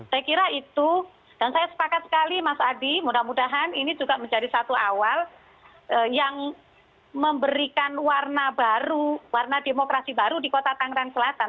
saya kira itu dan saya sepakat sekali mas adi mudah mudahan ini juga menjadi satu awal yang memberikan warna baru warna demokrasi baru di kota tangerang selatan